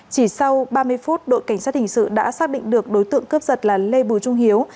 chỉ sau ba mươi phút đội cảnh sát hình sự đã xác định được đối tượng cướp giật là lê bùi trung hiếu